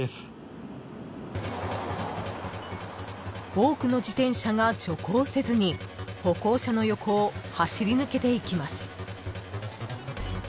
［多くの自転車が徐行せずに歩行者の横を走りぬけていきます］